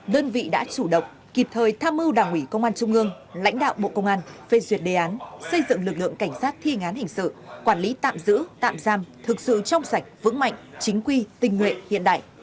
đơn vị đã chủ động kịp thời tham mưu đảng ủy công an trung ương lãnh đạo bộ công an phê duyệt đề án xây dựng lực lượng cảnh sát thi ngán hình sự quản lý tạm giữ tạm giam thực sự trong sạch vững mạnh chính quy tình nguyện hiện đại